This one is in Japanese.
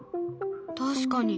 確かに。